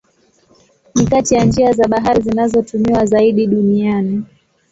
Ni kati ya njia za bahari zinazotumiwa zaidi duniani.